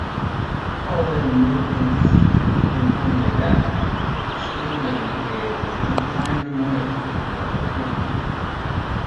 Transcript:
Following Moorman's untimely death, Schneeman created an online memorial page for her friend.